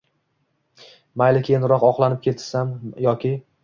Mayli, keyinroq, oqlanib ketsam yoki…